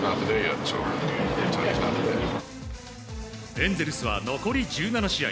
エンゼルスは残り１７試合。